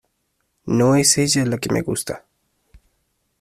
no es ella la que me gusta.